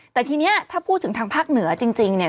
แต่ทีนี้ถ้าพูดถึงทางภาคเหนือจริงเนี่ย